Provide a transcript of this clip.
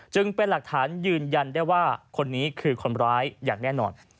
จึงเป็นหลักฐานยืนยันได้ว่าคนนี้คือคนร้ายอย่างแน่นอน